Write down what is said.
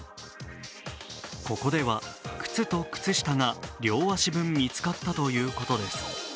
ここでは靴と靴下が両足分見つかったということです。